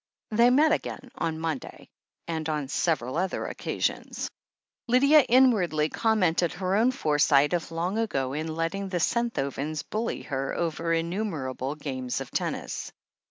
They met again on Monday, and on several other occasions. Lydia inwardly commended her own foresight of long ago in letting the Senthovens bully her over innu merable games of tennis.